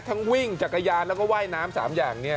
วิ่งจักรยานแล้วก็ว่ายน้ำ๓อย่าง